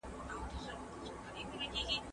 که علمي پرمختګ وسي، نو امکانات به زیات سي.